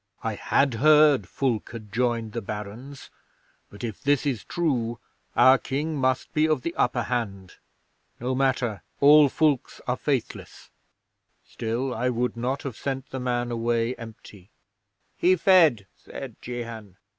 "I had heard Fulke had joined the Barons, but if this is true our King must be of the upper hand. No matter, all Fulkes are faithless. Still, I would not have sent the man away empty." '"He fed," said Jehan.